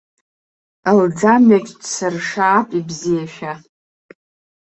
Лӡамҩагь ҿсыршаап ибзиашәа!